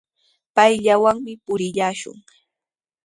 Payllawanmi purillashun.